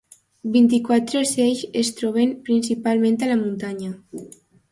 Vint-i-quatre ocells es troben principalment a la muntanya.